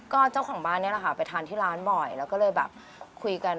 ก็เจ้าของบ้านนี่แหละค่ะไปทานที่ร้านบ่อยแล้วก็เลยแบบคุยกัน